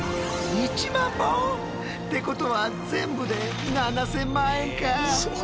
ってことは全部で７，０００万円か！